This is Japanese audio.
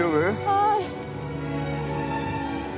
はい。